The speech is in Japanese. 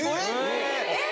えっ！